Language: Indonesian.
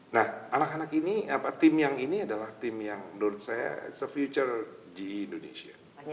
nah anak anak ini tim yang ini adalah tim yang menurut saya se future ge indonesia